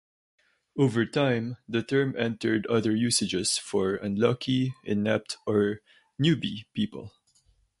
Over time the term entered other usages for unlucky, inept, or newbie people.